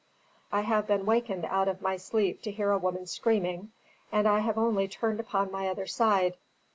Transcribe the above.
I have been wakened out of my sleep to hear a woman screaming, and I have only turned upon my other side.